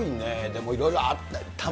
でもいろいろあった。